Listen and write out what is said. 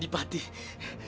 jangan bawa kami ke adipati